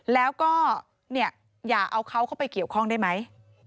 แล้วก็เนี่ยอย่าเอาเขาเข้าไปเกี่ยวข้องได้ไหม